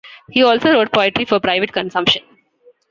He also wrote poetry for private consumption.